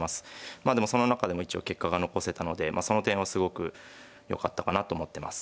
まあでもそんな中でも一応結果が残せたのでその点はすごくよかったかなと思ってます。